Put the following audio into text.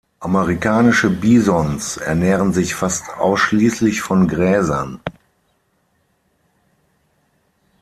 Amerikanische Bisons ernähren sich fast ausschließlich von Gräsern.